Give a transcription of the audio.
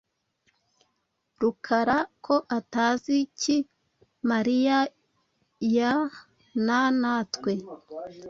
Rukara ko atazi ki Mariya y удер na na twe.